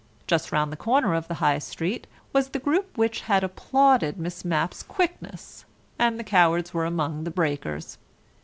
Just round the corner of the High Street was the group which had applauded Miss Mapp's quickness, and the cowards were among the breakers.